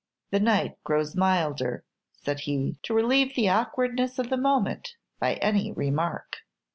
"The night grows milder," said he, to relieve the awkwardness of the moment by any remark.